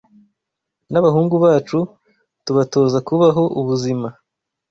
n’abahungu bacu tubatoza kubaho ubuzima